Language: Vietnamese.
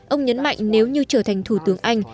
ông nhấn mạnh nếu như trở thành thủ tướng anh